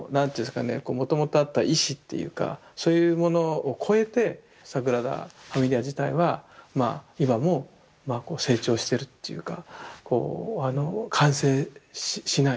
もともとあった意志っていうかそういうものを超えてサグラダ・ファミリア自体はまあ今もまあ成長してるっていうか完成しない。